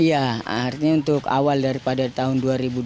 iya artinya untuk awal daripada tahun dua ribu dua puluh